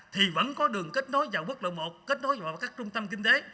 thì vẫn có đường kết nối vào quốc lộ một kết nối vào các trung tâm kinh tế